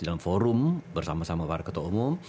dalam forum bersama sama para ketua umum